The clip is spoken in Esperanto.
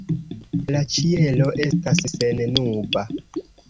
La ĉielo estas sennuba.